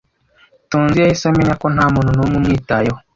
Tonzi yahise amenya ko ntamuntu numwe umwitayeho.